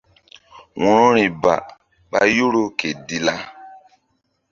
Wo̧rori ba ɓa Yoro ke Dilla.